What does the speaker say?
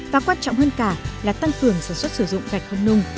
và quan trọng hơn cả là tăng cường sản xuất sử dụng gạch không nung